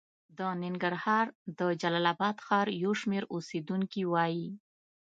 د ننګرهار د جلال اباد ښار یو شمېر اوسېدونکي وايي